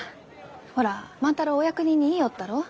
ほら万太郎お役人に言いよったろう？